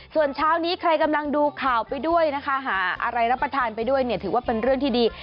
ส่วนเช้านี้ใครกำลังดูข่าวไปด้วยนะคะหาอะไรรับประทานไปด้วยเนี่ยถือว่าเป็นเรื่องที่ดี